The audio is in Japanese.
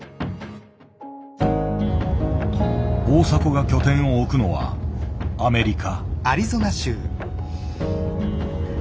大迫が拠点を置くのはアメリカ。